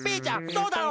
そうだろ？